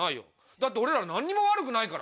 だって俺ら何にも悪くないからね。